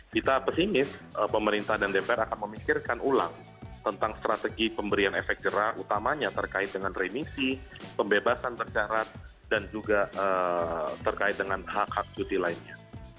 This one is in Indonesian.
kita pesimis pemerintah dan dpr akan memikirkan ulang tentang strategi pemberian efek jerah utamanya terkait dengan remisi pembebasan tercarat dan juga terkait dengan hak hak cuti lainnya